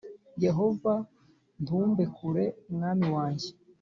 Yehova ntumbe kure mwami wanjye